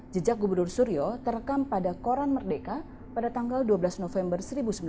jejak gubernur suryo terekam pada koran merdeka pada tanggal dua belas november seribu sembilan ratus empat puluh